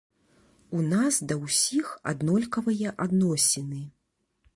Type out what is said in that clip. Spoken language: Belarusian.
У нас да ўсіх аднолькавыя адносіны.